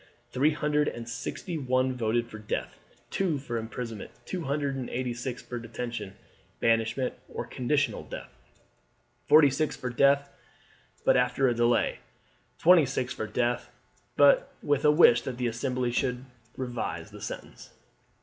Three hundred and sixty one voted for death, two for imprisonment, two hundred and eighty six for detention, banishment, or conditional death, forty six for death but after a delay, twenty six for death but with a wish that the Assembly should revise the sentence.